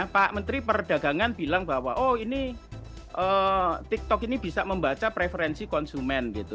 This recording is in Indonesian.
pak menteri perdagangan bilang bahwa oh ini tiktok ini bisa membaca preferensi konsumen gitu